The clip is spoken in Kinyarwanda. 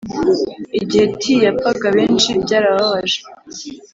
igihe t yapfaga benshi byarababaje